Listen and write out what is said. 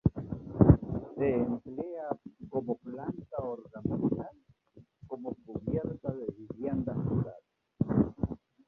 Se emplea como planta ornamental, como cubiertas de viviendas rurales y para fabricar escobas.